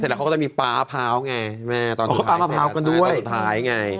เสร็จแล้วเขาก็จะมีปลาพร้าวไงแม่ตอนสุดท้ายตอนสุดท้ายไง